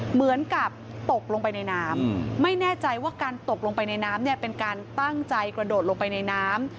เหมือนกับตกลงไปในน้ำไม่แน่ใจว่าการตกลงไปในน้ำเนี่ยเป็นการตั้งใจกระโดดลงไปในน้ำ